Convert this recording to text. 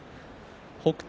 北勝